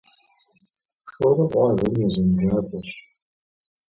Шорэ къуажэм ди азэнджакӏуэщ.